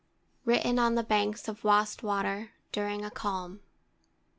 WRITTEN ON THE BANKS OF WASTWATER, DURING A CALM.